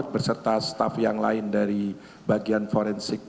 berserta staff yang lain dari bagian forensik